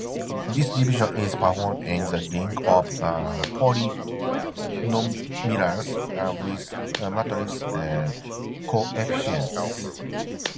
This division is performed in the ring of polynomials with matrix coefficients.